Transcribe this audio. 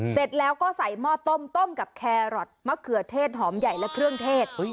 เสร็จแล้วก็ใส่หม้อต้มต้มกับแครอทมะเขือเทศหอมใหญ่และเครื่องเทศ